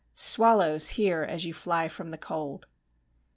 (Swallows, hear, as you fly from the cold!)